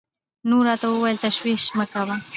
نو راته وويل تشويش مه کړه.